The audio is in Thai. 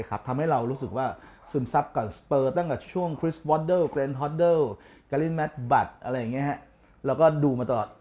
เค้าไม่ค่อยเอาบอลหลิงให้ดู